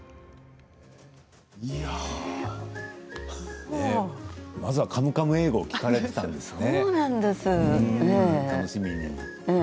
いやまずは「カムカム英語」を聞かれていたんですね